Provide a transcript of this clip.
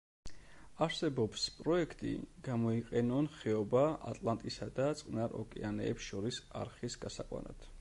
არსებობს პროექტი, გამოიყენონ ხეობა ატლანტისა და წყნარ ოკეანეებს შორის არხის გასაყვანად.